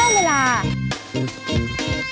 ข้าวใส่ไทยสอบกว่าใครใหม่กว่าเดิมค่อยเมื่อล่า